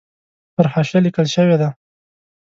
پر حاشیه لیکل شوې ده.